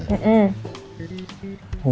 sama apa ketan